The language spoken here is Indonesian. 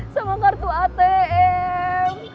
sama kartu atm